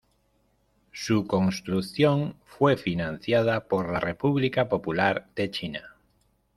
Su construcción fue financiada por la República Popular de China.